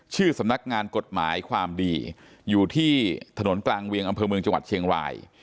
สำนักงานกฎหมายความดีอยู่ที่ถนนกลางเวียงอำเภอเมืองจังหวัดเชียงราย